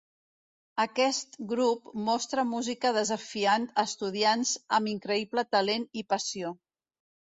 Aquest grup mostra música desafiant a estudiants amb increïble talent i passió.